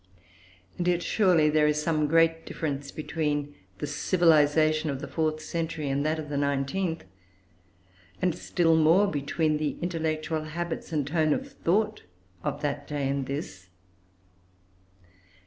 And yet surely there is some great difference between the civilisation of the fourth century and that of the nineteenth, and still more between the intellectual habits and tone of thought of that day and this?